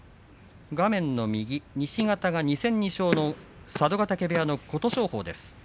画面の右、西方が２戦２勝の佐渡ヶ嶽部屋の琴勝峰です。